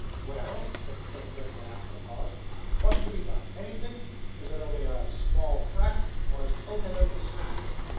'Well,' said the same gentleman, after a pause, 'wot's to be done anything? Is it only a small crack, or a out and out smash?